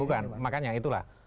bukan makanya itulah